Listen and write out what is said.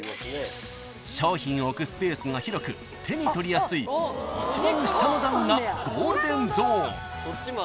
［商品を置くスペースが広く手に取りやすい一番下の段がゴールデンゾーン］